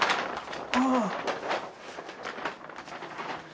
ああ！